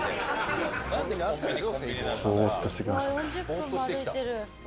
ボっとして来た？